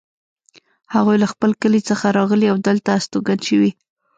هغوی له خپل کلي څخه راغلي او دلته استوګن شوي